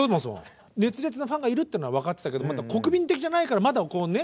熱烈なファンがいるっていうのは分かってたけど国民的じゃないからまだこうね